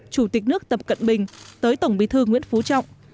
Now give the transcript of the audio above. chủ tịch nước tập cận bình tới tổng bí thư nguyễn phú trọng